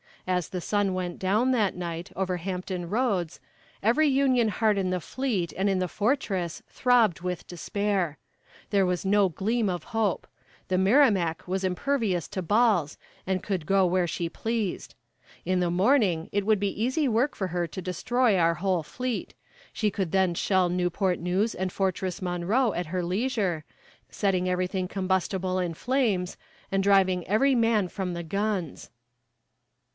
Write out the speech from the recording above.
As the sun went down, that night, over Hampton Roads, every Union heart in the fleet and in the fortress throbbed with despair. There was no gleam of hope. The Merrimac was impervious to balls, and could go where she pleased. In the morning it would be easy work for her to destroy our whole fleet. She could then shell Newport News and Fortress Monroe at her leisure, setting everything combustible in flames, and driving every man from the guns.